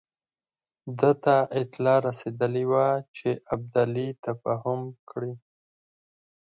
ده ته اطلاع رسېدلې وه چې ابدالي تفاهم کړی.